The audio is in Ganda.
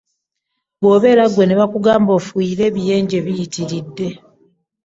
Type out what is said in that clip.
Bw’obeera ggwe ne bakugamba ofuuyire ebiyenje biyitiridde.